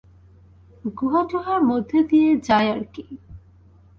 গুহা-টুহার মধ্য দিয়ে যায় আর কি।